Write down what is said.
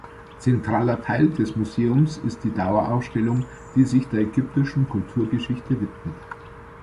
Zentraler Teil des Museums ist die Dauerausstellung, die sich der ägyptischen Kulturgeschichte widmet.